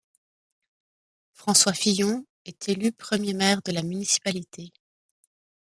François Fillion est élu premier maire de la municipalité.